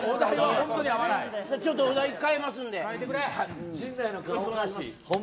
ちょっとお題変えますんで。